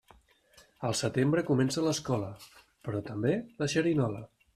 Al setembre comença l'escola, però també la xerinola.